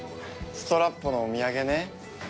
ストラップのお土産ね。